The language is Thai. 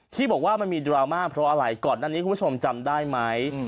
ที่บอกว่ามันมีดราม่าเพราะอะไรก่อนหน้านี้คุณผู้ชมจำได้ไหม